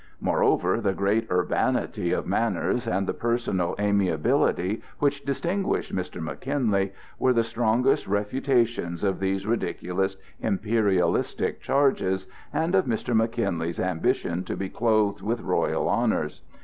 Moreover the great urbanity of manners, and the personal amiability which distinguished Mr. McKinley were the strongest refutations of these ridiculous imperialistic charges and of Mr. McKinley's ambition to be clothed with royal honors.